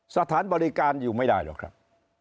สถานบริการอยู่ไม่ได้หรอกครับ